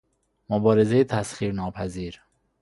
مبارزهٔ تسخیر ناپذیر